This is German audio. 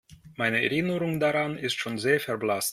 Meine Erinnerung daran ist schon sehr verblasst.